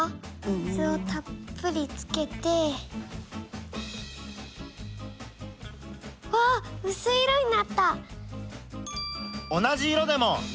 水をたっぷりつけて。わうすい色になった！